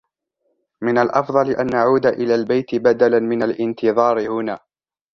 من الأفضل أن نعود إلى البيت بدلا من الانتظار هنا.